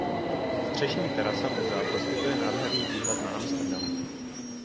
Střešní terasa muzea poskytuje nádherný výhled na Amsterdam.